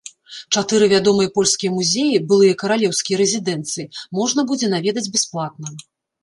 Чатыры вядомыя польскія музеі, былыя каралеўскія рэзідэнцыі, можна будзе наведаць бясплатна.